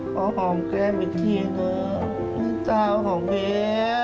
ขอหอมแก้มอีกทีนะเจ้าของพี่